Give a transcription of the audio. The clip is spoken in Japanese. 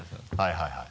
はいはい。